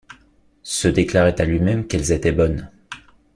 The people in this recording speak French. se déclarait à lui-même qu’elles étaient bonnes.